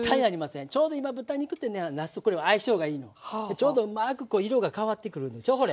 ちょうどうまくこう色が変わってくるでしょほれ。